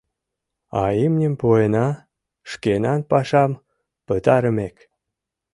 — А имньым пуэна... шкенан пашам пытарымек.